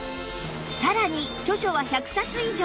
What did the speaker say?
さらに著書は１００冊以上